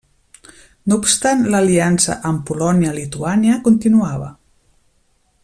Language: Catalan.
No obstant l'aliança amb Polònia-Lituània continuava.